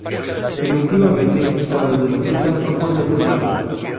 Efectivamente, cuando despierta no puede hacer magia.